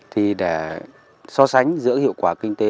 thì để so sánh giữa hiệu quả kinh tế